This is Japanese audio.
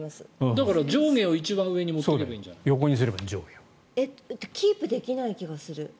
だから、上下を一番上に持っていけばいいんじゃない？キープできない気がする。